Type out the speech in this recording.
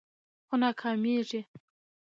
خو ناکامیږي